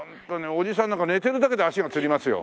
おじさんなんか寝てるだけで足がつりますよ。